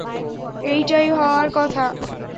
এটাই হওয়ার কথা।